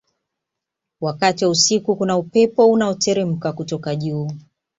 wakati wa usiku kuna upepo unaoteremka kutoka juu